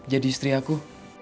jadi istri aku